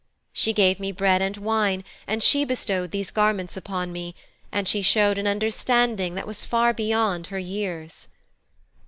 She gave me bread and wine, and she bestowed these garments upon me, and she showed an understanding that was far beyond her years.'